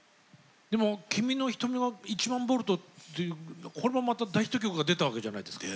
でも「君のひとみは１００００ボルト」っていうこれもまた大ヒット曲が出たわけじゃないですか。